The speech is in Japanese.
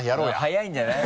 早いんじゃない？